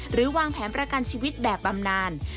วางแผนประกันชีวิตแบบบำนาน